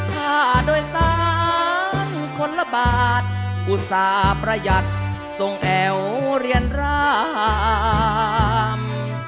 ค่าโดยสารคนละบาทอุตส่าห์ประหยัดทรงแอ๋วเรียนราม